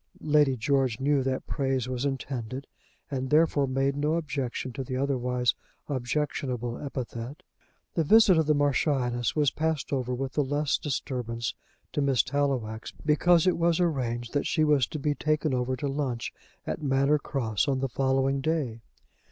Lady George knew that praise was intended, and therefore made no objection to the otherwise objectionable epithet. The visit of the Marchioness was passed over with the less disturbance to Miss Tallowax because it was arranged that she was to be taken over to lunch at Manor Cross on the following day.